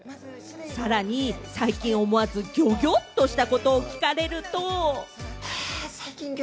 さらに最近思わずギョギョッとしたことを聞かれると。